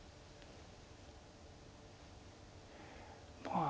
まあ。